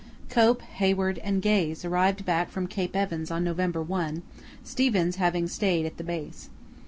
Cope, Hayward, and Gaze arrived back from Cape Evans on November 1, Stevens having stayed at the base.